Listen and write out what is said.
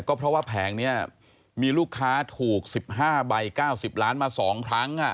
ก็เพราะว่าแผงนี้มีลูกค้าถูก๑๕ใบ๙๐ล้านมา๒ครั้ง